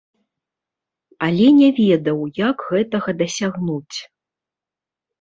Але не ведаў, як гэтага дасягнуць.